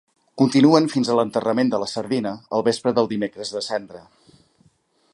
Continuen fins a l'enterrament de la sardina, al vespre del Dimecres de Cendra.